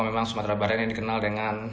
memang sumatera barat yang dikenal dengan